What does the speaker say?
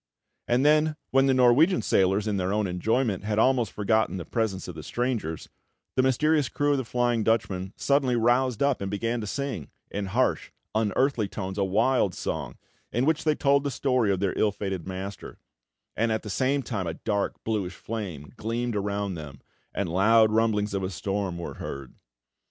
And then, when the Norwegian sailors, in their own enjoyment, had almost forgotten the presence of the strangers, the mysterious crew of the Flying Dutchman suddenly roused up and began to sing, in harsh, unearthly tones, a wild song, in which they told the story of their ill fated master; and at the same time a dark, bluish flame gleamed around them, and loud rumblings of a storm were heard.